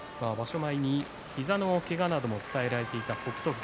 前、膝のけがが伝えられていた北勝富士。